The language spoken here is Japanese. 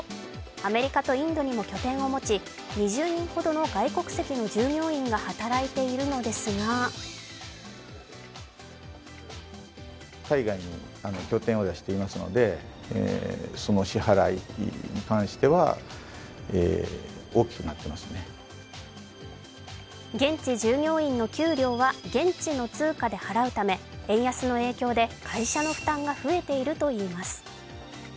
アメリカとインドにも拠点を持ち、２０人ほどの外国籍の従業員が働いているのですが現地従業員の給料は現地の通貨で払うため円安の影響で会社の負担が増えているといいます。